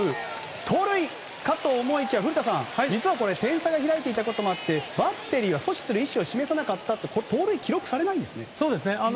盗塁かと思いきや古田さん、実はこれ点差が開いていたこともあってバッテリーがアウトにする気がない場合は盗塁に記録されないんですね。